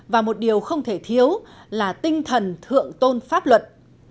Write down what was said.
và một điều không thể thiếu là tinh thần thượng tôn pháp luật